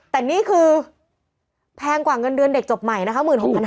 แต่นี่คือแพงกว่าเงินเดือนเด็กจบใหม่นะคะ